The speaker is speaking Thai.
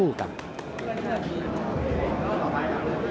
คุณผู้ชนะครับต้นเพชรปอประมุกยกสุดท้าย